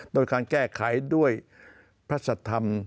โดยการแก้ไขด้วยภาษฎธรรม